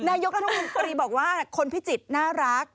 นายกรัฐมนตรีบอกว่าคนพิจิตรน่ารัก